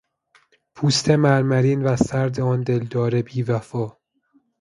پوست مرمرین و سرد آن دلدار بی وفا